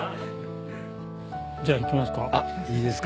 じゃあいきますか？